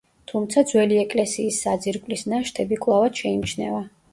თუმცა, ძველი ეკლესიის საძირკვლის ნაშთები კვლავაც შეიმჩნევა.